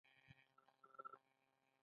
ایا زه باید واده ته لاړ شم؟